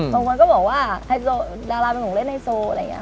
บางคนก็บอกว่าดาราเป็นของเล่นไฮโซ